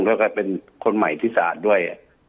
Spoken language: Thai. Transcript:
แล้วก็เป็นคนใหม่ที่สะอาดด้วย